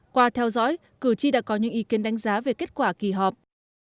qua theo dõi cử tri đã có những ý kiến đánh giá về kết quả kỳ họp